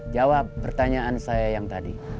jawab pertanyaan saya yang tadi